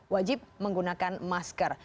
wajib menggunakan masker